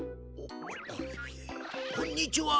こんにちは